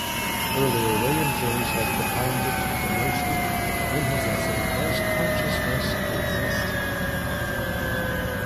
Earlier, William James had propounded the notion in his essay Does Consciousness Exist?